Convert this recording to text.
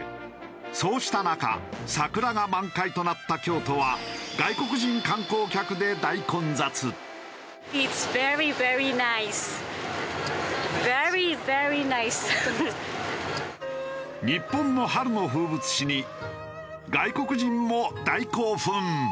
そうした中桜が満開となった京都は日本の春の風物詩に外国人も大興奮。